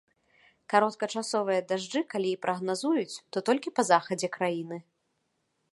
Кароткачасовыя дажджы калі і прагназуюць, то толькі па захадзе краіны.